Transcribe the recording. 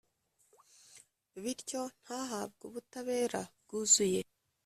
bityo ntahabwe ubutabera bwuzuye